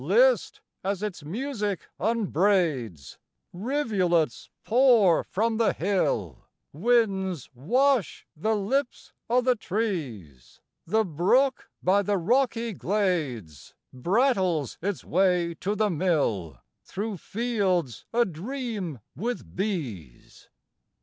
List as its music unbraids: _Rivulets pour from the hill, Winds wash the lips o' the trees, The brook by the rocky glades Brattles its way to the mill Through fields adream with bees.